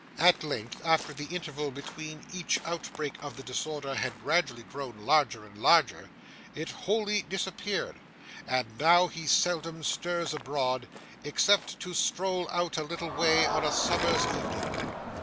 At length, after the interval between each outbreak of this disorder had gradually grown longer and longer, it wholly disappeared; and now he seldom stirs abroad, except to stroll out a little way on a summer's evening.